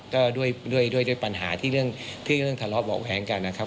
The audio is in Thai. ก็ด้วยปัญหาที่เรื่องทะเลาะบอกแผงกันนะครับ